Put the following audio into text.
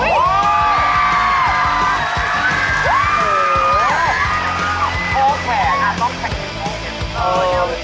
โอ้แขกนะต้องแขกกินโอ้แขก